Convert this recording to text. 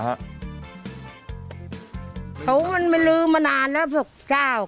เขามันไม่ลืมมานานแล้ว